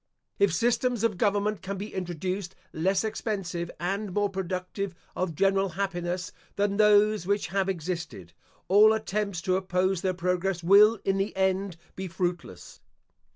If systems of government can be introduced less expensive and more productive of general happiness than those which have existed, all attempts to oppose their progress will in the end be fruitless.